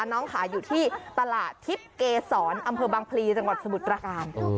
น้องขายอยู่ที่ตลาดทิพย์เกษรอำเภอบางพลีจังหวัดสมุทรประการ